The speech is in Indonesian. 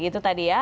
itu tadi ya